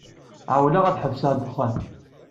Ɛewwleɣ ad ḥebseɣ ddexxan.